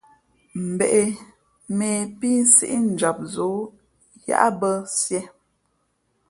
Mbᾱ ě, mᾱ ě pí pα nsíʼnjam ǒ yáʼbᾱ siē.